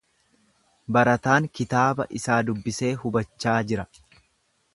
Barataan kitaaba isaa dubbisee hubachaa jira.